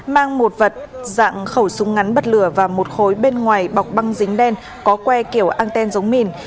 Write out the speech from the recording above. mang một vật dạng khẩu súng ngắn bật lửa và một khối bên ngoài bọc băng dính đen có que kiểu ăn tên giống mìn